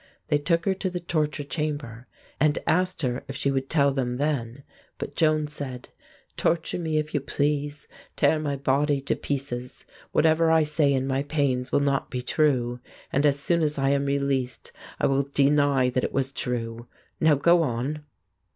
They took her to the torture chamber and asked her if she would tell them then. But Joan said: "Torture me if you please. Tear my body to pieces. Whatever I say in my pains will not be true, and as soon as I am released I will deny that it was true. Now go on!"